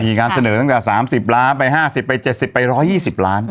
มีการเสนอตั้งแต่๓๐ล้านไป๕๐ไป๗๐ไป๑๒๐ล้าน